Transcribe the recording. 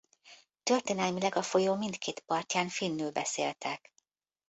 Történelmileg a folyó mindkét partján finnül beszéltek.